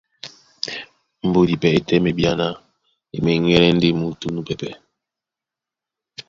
Mbódi pɛ́ é tɛ́mɛ bíáná e meŋgɛ́lɛ́ ndé muútú núpɛ́pɛ̄,